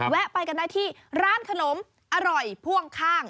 แวะไปกันได้ที่ร้านขนมอร่อยพ่วงข้าง